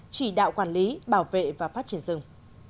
chỉ đạo quản lý bảo vệ và phát triển rừng